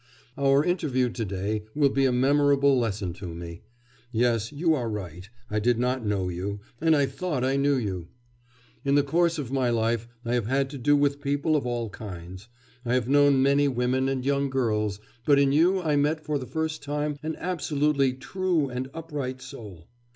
'Our interview to day will be a memorable lesson to me. Yes, you are right; I did not know you, and I thought I knew you! In the course of my life I have had to do with people of all kinds. I have known many women and young girls, but in you I met for the first time an absolutely true and upright soul.